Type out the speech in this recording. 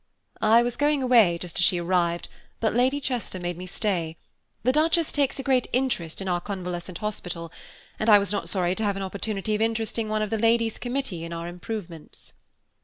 "I was going away just as she arrived, but Lady Chester made me stay. The Duchess takes a great interest in our Convalescent Hospital; and I was not sorry to have an opportunity of interesting one of the Ladies' Committee in our improvements."